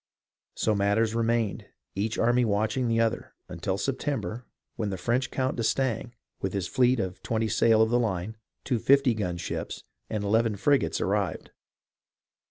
So matters remained, each army watching the other, until September, when the French Count d'Estaing, with his fleet of twenty sail of the line, two fifty gun ships, and eleven frigates, arrived.